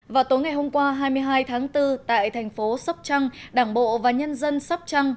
vào tối ngày hôm qua hai mươi hai tháng bốn tại thành phố sóc trăng đảng bộ và nhân dân sóc trăng